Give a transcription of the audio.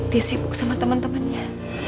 dia sibuk sama teman temannya